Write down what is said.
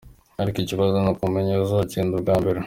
Ariko ikibazo ni kumenya uwuzogenda ubwa mbere? .